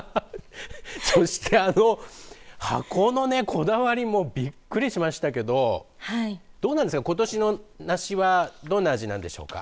そしてあの箱のこだわりもびっくりしましたけどどうなんですか、ことしの梨はどんな味なんでしょうか。